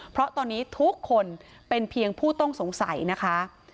เพราะตอนนี้ทุกคนเป็นเพียงผู้ต้องสงสัยนะคะ